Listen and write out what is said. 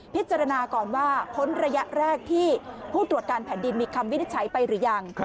พิจารณาก่อนว่าพ้นระยะแรกที่ผู้ตรวจการแผ่นดินมีคำวินิจฉัยไปหรือยัง